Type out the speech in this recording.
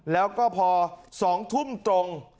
แล้วก็พอ๒ทุ่มตรง